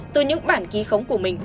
từ những bản ký khống của mình